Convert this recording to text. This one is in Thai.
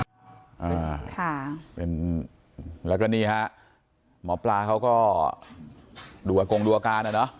อ่าค่ะเป็นแล้วก็นี่ฮะหมอปลาเขาก็ดูอากงดูอาการอ่ะเนอะ